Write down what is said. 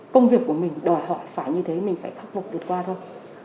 công việc của mình đòi hỏi phải như thế mình phải khắc phục vượt qua thôi